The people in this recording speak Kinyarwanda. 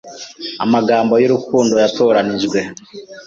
Amagambo y'urukundo yatoranijwe